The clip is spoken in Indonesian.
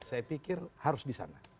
saya pikir harus di sana